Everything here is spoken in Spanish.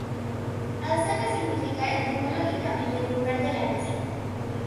Alzaga significa etimológicamente "lugar del aliso".